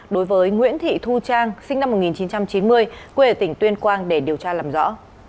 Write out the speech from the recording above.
đối với nguyễn thị thu trang sinh năm một nghìn chín trăm chín mươi quê ở tỉnh tuyên quang để điều tra làm rõ